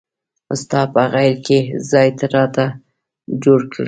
ستا په غیږ کې ځای راته جوړ کړه.